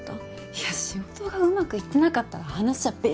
いや仕事がうまくいってなかったら話は別。